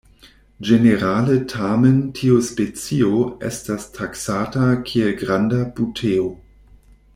Ĝenerale tamen tiu specio estas taksata kiel granda "Buteo".